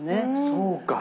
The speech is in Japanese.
そうか。